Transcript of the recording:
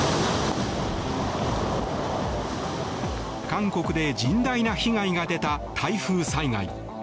韓国で甚大な被害が出た台風災害。